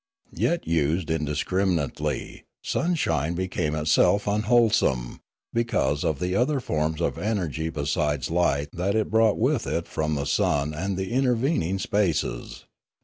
Yet used indiscriminately sunshine became itself unwholesome, because of the other forms of energy besides light that it brought with it from the sun and the intervening spaces.